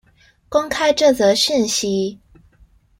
公開這則訊息